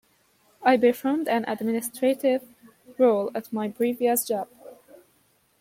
I performed an administrative role at my previous job.